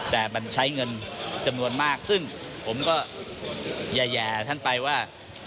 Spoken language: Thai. แต่มันใช้เงินจำนวนมากซึ่งผมก็แย่ท่านไปว่า